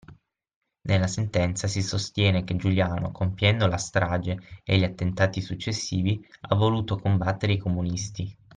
Nella sentenza si sostiene che Giuliano compiendo la strage e gli attentati successivi ha voluto combattere i comunisti